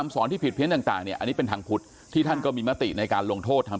สอนที่ผิดเพี้ยนต่างเนี่ยอันนี้เป็นทางพุทธที่ท่านก็มีมติในการลงโทษทาง